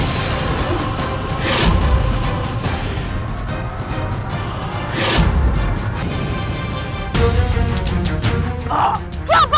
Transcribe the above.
senjata apa itu